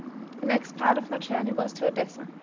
The next part of my journey was to Odessa.